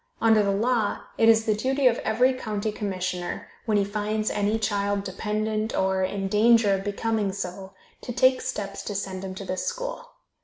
Under the law, it is the duty of every county commissioner, when he finds any child dependent, or in danger of becoming so, to take steps to send him to this school.